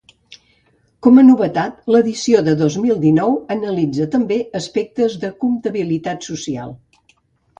Com a novetat, l'edició de dos mil dinou analitza també aspectes de comptabilitat social.